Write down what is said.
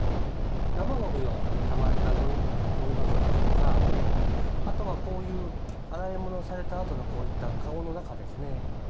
生ごみを、たまったごみ箱ですとか、あとは、こういう洗い物をされたあとの、こういった籠の中ですね。